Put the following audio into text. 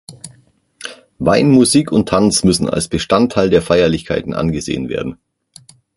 Wein, Musik und Tanz müssen als Bestandteil der Feierlichkeiten angesehen werden.